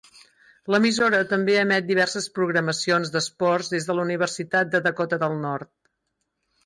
L'emissora també emet diverses programacions d'esports des de la universitat de Dakota del Nord.